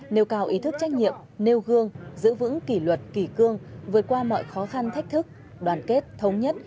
nêu cao ý thức trách nhiệm nêu gương giữ vững kỷ luật kỷ cương vượt qua mọi khó khăn thách thức đoàn kết thống nhất